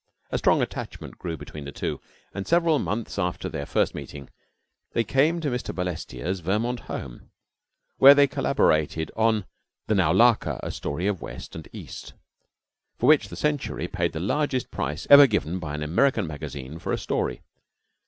A strong attachment grew between the two, and several months after their first meeting they came to Mr. Balestier's Vermont home, where they collaborated on "The Naulahka: A Story of West and East," for which The Century paid the largest price ever given by an American magazine for a story.